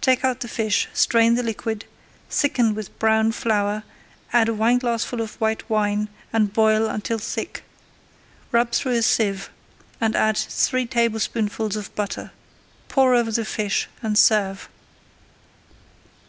Take out the fish, strain the liquid, thicken with browned flour, add a wineglassful of white wine, and boil until thick. Rub through a sieve and add three tablespoonfuls of butter. Pour over the fish and serve.